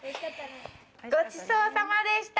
ごちそうさまでした！